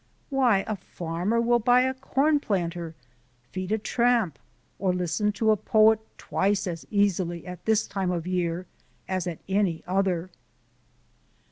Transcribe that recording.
Why, a farmer will buy a corn planter, feed a tramp, or listen to a poet twice as easily at this time of year as at any other!